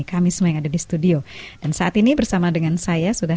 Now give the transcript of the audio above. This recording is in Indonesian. kota sion yang terindah